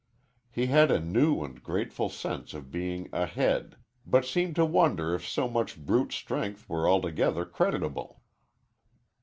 He had a new and grateful sense of being "ahead," but seemed to wonder if so much brute strength were altogether creditable.